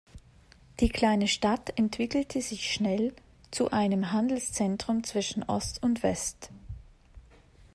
Die kleine Stadt entwickelte sich schnell zu einem Handelszentrum zwischen Ost und West.